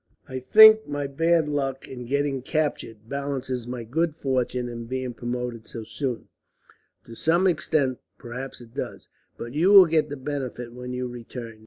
"I think my bad luck, in getting captured, balances my good fortune in being promoted so soon." "To some extent perhaps it does, but you will get the benefit when you return.